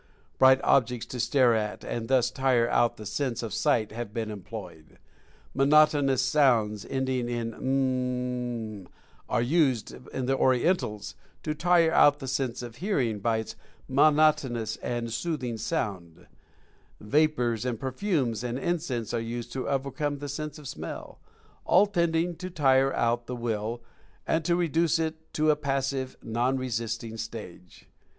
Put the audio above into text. Bright objects to stare at and thus tire out the sense of sight have been employed ; monotonous sounds end ing in "um m m rn m" are used by the Orientals to tire out the sense of hearing by its monotonous and soothing sound; vapors and perfumes and incense are used to overcome the sense of smell — all tending to tire out the Will, and to reduce it to a Passive, non resisting stage.